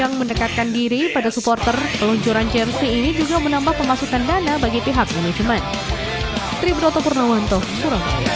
yang mendekatkan diri pada supporter peluncuran jersey ini juga menambah pemasukan dana bagi pihak manajemen